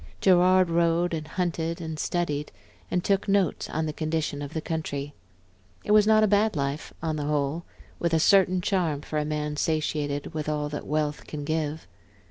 Gerard rode and hunted and studied, and took notes on the condition of the country. It was not a bad life on the whole, with a certain charm for a man satiated with all that wealth can give.